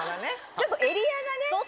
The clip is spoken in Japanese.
ちょっとエリアがね。